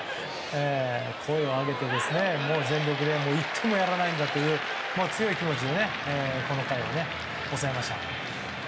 声を上げて、全力で１点もやらないんだという強い気持ちでこの回を抑えました。